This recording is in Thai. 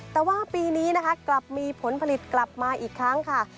แต่ว่าปีนี้นะคะกลับมีผลผลิตกลับมาอีกครั้งค่ะ